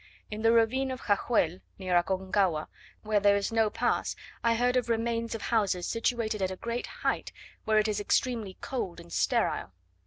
In the ravine of Jajuel, near Aconcagua, where there is no pass, I heard of remains of houses situated at a great height, where it is extremely cold and sterile.